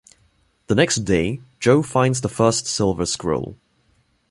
The next day, Joe finds the first silver scroll.